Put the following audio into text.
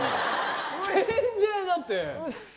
全然だって。